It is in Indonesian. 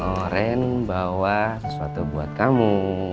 oh ren bawa sesuatu buat kamu